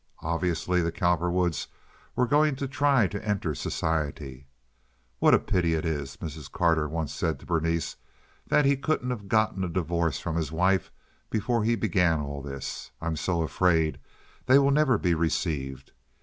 Obviously the Cowperwoods were going to try to enter society. "What a pity it is," Mrs. Carter once said to Berenice, "that he couldn't have gotten a divorce from his wife before he began all this. I am so afraid they will never be received.